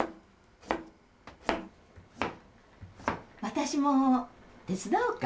私も手伝おうか？